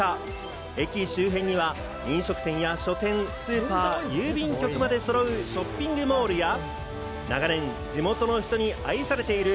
駅周辺には飲食店や書店、スーパー、郵便局までそろうショッピングモールや長年、地元の人に愛されている。